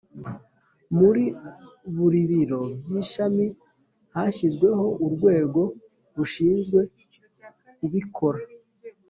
Muri buri biro by’ishami hashyizweho Urwego Rushinzwe kubikora